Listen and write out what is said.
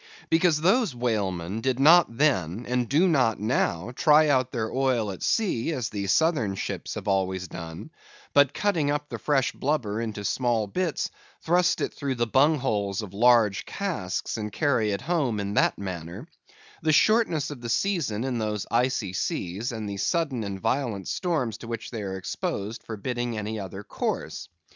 Because those whalemen did not then, and do not now, try out their oil at sea as the Southern ships have always done; but cutting up the fresh blubber in small bits, thrust it through the bung holes of large casks, and carry it home in that manner; the shortness of the season in those Icy Seas, and the sudden and violent storms to which they are exposed, forbidding any other course.